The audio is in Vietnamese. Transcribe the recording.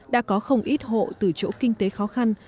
đã có không ít hộ từ chỗ kinh tế khó khăn